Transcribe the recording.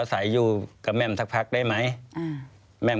ควิทยาลัยเชียร์สวัสดีครับ